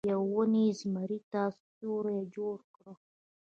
یوې ونې زمري ته سیوری جوړ کړ.